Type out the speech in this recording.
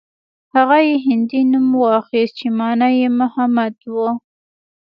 هغه يې هندي نوم واخيست چې مانا يې محمد و.